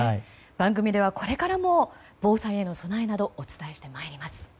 番組ではこれからも防災への備えなどお伝えしてまいります。